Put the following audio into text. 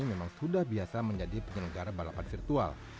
memang sudah biasa menjadi penyelenggara balapan virtual